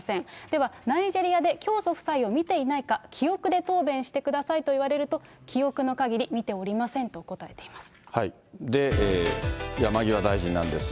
では、ナイジェリアで教祖夫妻を見ていないか、記憶で答弁してくださいと言われると、記憶のかぎり見ておりませんと答えています。